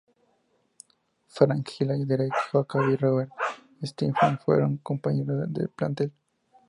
Frank Finlay, Derek Jacobi y Robert Stephens fueron sus compañeros de plantel.